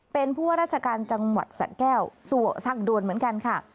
เป็นผู้ว่าราชการจังหวัดสะแก้วสั่งด่วนเหมือนกันค่ะ